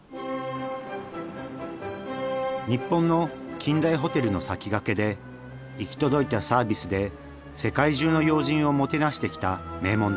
日本の近代ホテルの先駆けで行き届いたサービスで世界中の要人をもてなしてきた名門だ。